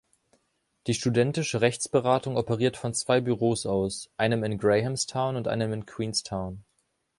Die studentische Rechtsberatung operiert von zwei Büros aus, einem in Grahamstown und einem in Queenstown.